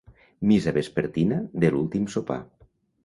Missa vespertina de l'últim sopar.